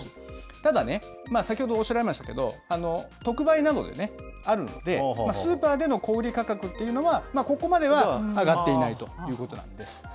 ただね、先ほどおっしゃられましたけど、特売などがあるので、スーパーなどでの小売り価格っていうのはここまでは上がっていないということなんです。